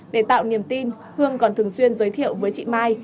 để tạo niềm tin hương còn thường xuyên giới thiệu với chị mai